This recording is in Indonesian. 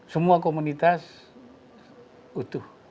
semua komunitas utuh